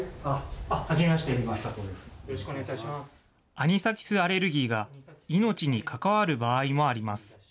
アニサキスアレルギーが、命に関わる場合もあります。